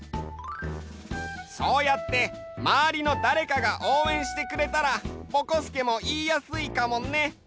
そうやってまわりのだれかがおうえんしてくれたらぼこすけもいいやすいかもね。